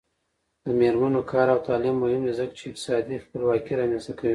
د میرمنو کار او تعلیم مهم دی ځکه چې اقتصادي خپلواکۍ رامنځته کوي.